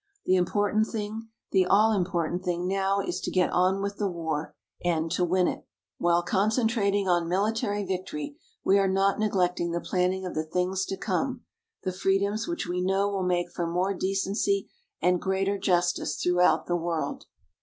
The important thing the all important thing now is to get on with the war and to win it. While concentrating on military victory, we are not neglecting the planning of the things to come, the freedoms which we know will make for more decency and greater justice throughout the world.